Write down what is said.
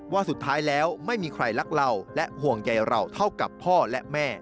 ว่าสุดท้ายแล้วไม่มีใครรักเราและห่วงใยเราเท่ากับพ่อและแม่